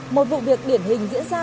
một vụ việc điển hình diễn ra